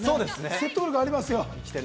説得力ありますよ。